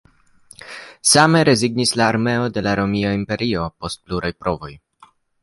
Same rezignis la armeo de la Romia Imperio post pluraj provoj.